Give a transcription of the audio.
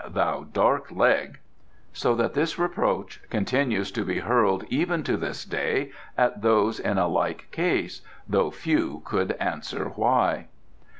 Thou dark leg!" so that this reproach continues to be hurled even to this day at those in a like case, though few could answer why.